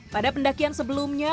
pada pendakian sebelumnya